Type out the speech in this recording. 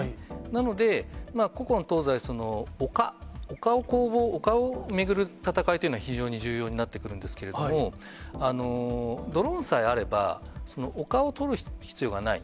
なので、古今東西、丘、丘を巡る戦いというのは非常に重要になってくるんですけれども、ドローンさえあれば、丘をとる必要がない。